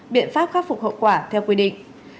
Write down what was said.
biện pháp khắc phục hậu quả theo quy định